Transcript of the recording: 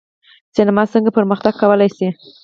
سینما څنګه پرمختګ کولی شي؟